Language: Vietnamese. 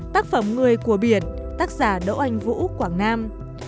tác phẩm người của biển tác giả đỗ anh vũ quảng nam